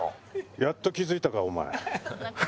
やっと気付いたかお前。